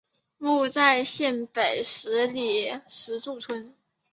墓在县北十里石柱村。